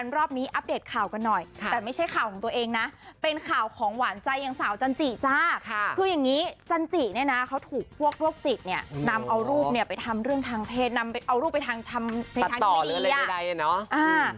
ไปทำเรื่องทางเพศนำไปเอารูปไปทำในทางนี้ตัดต่อหรืออะไรใดเนี้ยเนอะอ่า